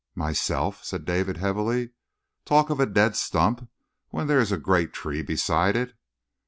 "Myself!" said David heavily. "Talk of a dead stump when there is a great tree beside it?